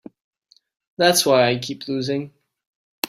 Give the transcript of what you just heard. That's why I keep losing.